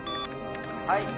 はい。